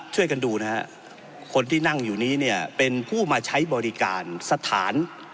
ช่วยกันดูนะฮะคนที่นั่งอยู่นี้เนี่ยเป็นผู้มาใช้บริการสถาน